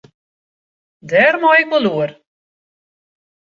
Dêr mei ik wol oer.